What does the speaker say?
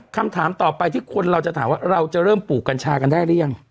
คำถามต่อไปที่คนเราจะถามว่าเราจะเริ่มปลูกกัญชากันได้หรือยัง